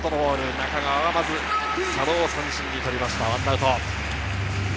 中川はまず佐野を三振に取りました、１アウト。